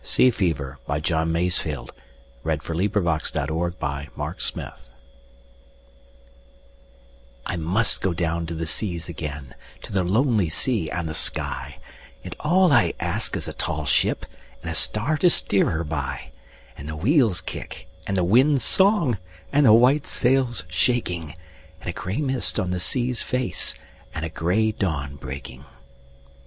C D . E F . G H . I J . K L . M N . O P . Q R . S T . U V . W X . Y Z Sea Fever I MUST down to the seas again, to the lonely sea and the sky, And all I ask is a tall ship and a star to steer her by, And the wheel's kick and the wind's song and the white sail's shaking, And a gray mist on the sea's face, and a gray dawn breaking.